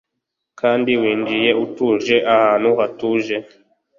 Kandi winjiye utuje ahantu hatuje